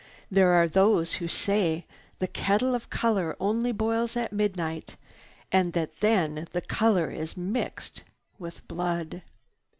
There are those who say the kettle of color only boils at midnight and that then the color is mixed with blood.